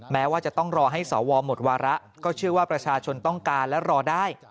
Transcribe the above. แม้ว่าจะต้องรอให้สวหมดวาระก็เชื่อว่าประชาชนต้องการและรอได้